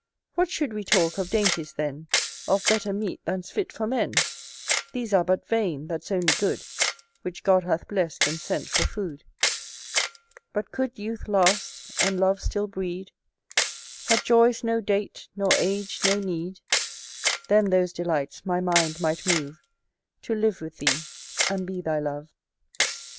What should we talk of dainties, then, Of better meat than's fit for men? These are but vain: that's only good Which God hath blessed and sent for food. But could youth last, and love still breed; Had joys no date, nor age no need; Then those delights my mind might move To live with thee, and be thy love.